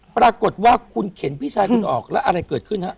ปรากฏว่าคุณเข็นพี่ชายคุณออกแล้วอะไรเกิดขึ้นฮะ